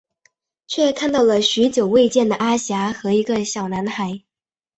却看到了许久未见的阿霞和一个小男孩。